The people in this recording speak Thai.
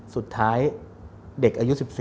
สุดท้ายเด็กอายุ๑๔